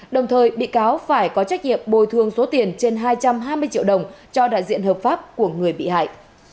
đồng thời bị cáo phải có trách nhiệm bồi thường số tiền trên hai trăm hai mươi triệu đồng cho đại diện hợp pháp của người bị hại